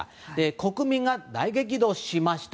国民が大激怒しまして